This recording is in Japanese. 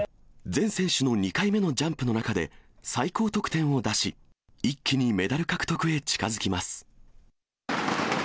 全選手の２回目のジャンプの中で、最高得点を出し、一気にメダル獲得へ近づきます。